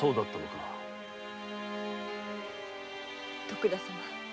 徳田様。